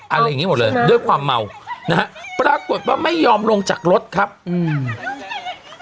อย่างงี้หมดเลยด้วยความเมานะฮะปรากฏว่าไม่ยอมลงจากรถครับอืม